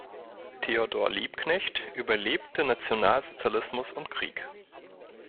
Theodor Liebknecht überlebte Nationalsozialismus und Krieg.